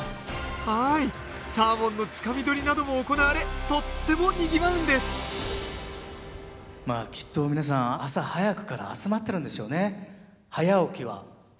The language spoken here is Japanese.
はいサーモンのつかみ取りなども行われとってもにぎわうんですきっと皆さん朝早くから集まってるんでしょうね。